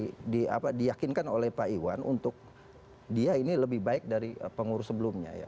yang harus di di apa diakinkan oleh pak iwan untuk dia ini lebih baik dari pengurus sebelumnya ya